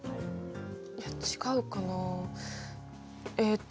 いや違うかなえっと。